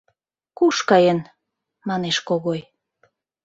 Куш каен? — манеш Когой.